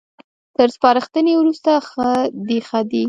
تر سپارښتنې وروسته ښه ديښه دي